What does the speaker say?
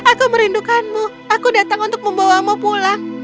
aku merindukanmu aku datang untuk membawamu pulang